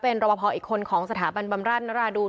เป็นรบพออีกคนของสถาบันบำราชนราดูน